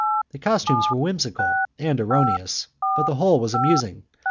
The costumes were whimsical and erroneous, but the whole was amusing.